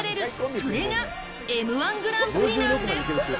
それがＭ−１グランプリなんです。